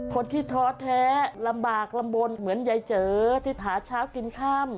คนที่ท้อแท้ลำบากลำบลเหมือนไยเจอที่หาเช้ากินข้าม